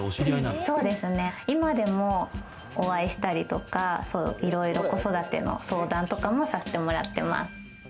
今でもお会いしたりとか、いろいろ子育ての相談とかもさせてもらってます。